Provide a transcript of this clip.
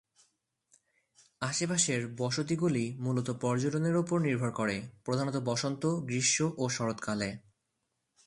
আশেপাশের বসতিগুলি মূলত পর্যটনের উপর নির্ভর করে, প্রধানত বসন্ত, গ্রীষ্ম এবং শরৎকালে।